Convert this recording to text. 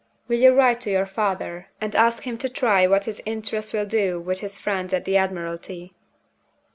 Will you write to your father, and ask him to try what his interest will do with his friends at the Admiralty?"